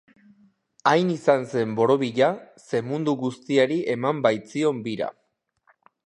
Hain izan zen borobila, ze mundu guztiari eman baitzion bira.